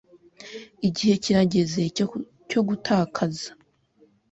Igihe kirageze cyo gutakaza